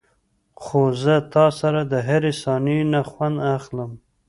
خو زه تاسره دهرې ثانيې نه خوند اخلم.